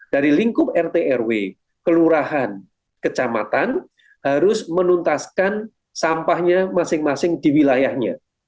dari lingkup rt rw kelurahan kecamatan harus menuntaskan sampahnya masing masing di wilayahnya